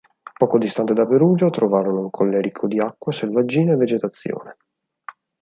Poco distante da Perugia trovarono un colle ricco di acqua, selvaggina e vegetazione.